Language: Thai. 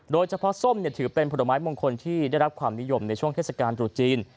โดยเฉพาะส้มถือเป็นผัวตะไมล์มงคลที่ได้รับความนิยมในช่วงเทศกาลตรุจีน